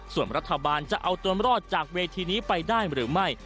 ส่วนรัฐบาลจะเอาตัวรอดจากเวทีนี้ไปได้หรือไม่